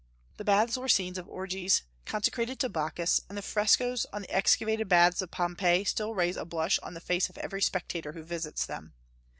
The baths were scenes of orgies consecrated to Bacchus, and the frescos on the excavated baths of Pompeii still raise a blush on the face of every spectator who visits them.